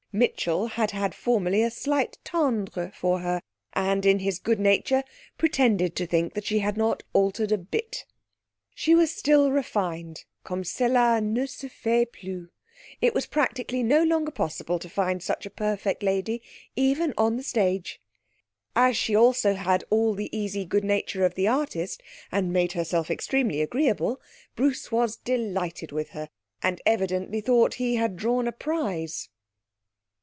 Mitchell had had formerly a slight tendre for her, and in his good nature pretended to think she had not altered a bit. She was still refined comme cela ne se fait plus; it was practically no longer possible to find such a perfect lady, even on the stage. As she also had all the easy good nature of the artist, and made herself extremely agreeable, Bruce was delighted with her, and evidently thought he had drawn a prize.